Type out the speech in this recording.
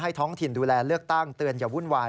ท้องถิ่นดูแลเลือกตั้งเตือนอย่าวุ่นวาย